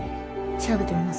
調べてみます？